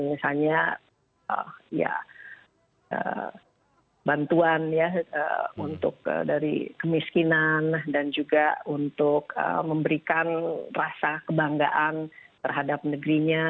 misalnya ya bantuan ya untuk dari kemiskinan dan juga untuk memberikan rasa kebanggaan terhadap negerinya